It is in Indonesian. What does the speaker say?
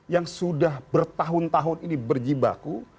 yang sudah bertahun tahun ini berjibaku